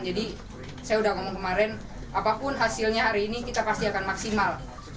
jadi saya udah ngomong kemarin apapun hasilnya hari ini kita pasti akan maksimal